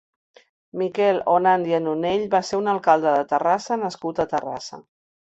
Miquel Onandia Nunell va ser un alcalde de Terrassa nascut a Terrassa.